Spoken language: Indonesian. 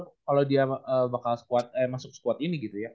kalau dia masuk squad ini gitu ya